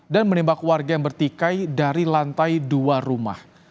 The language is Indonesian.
dan menembak warga yang bertikai dari lantai dua rumah